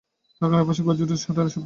তাঁর কানের পাশে গর্জে উঠছে শাটারের শব্দ।